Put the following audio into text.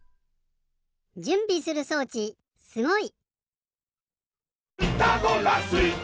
じゅんびする装置すごい！